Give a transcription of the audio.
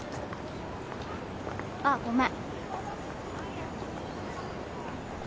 あっごめん。